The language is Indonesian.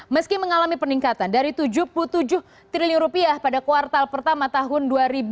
meski mengalami peningkatan dari tujuh puluh tujuh triliun rupiah pada kuartal pertama tahun dua ribu dua puluh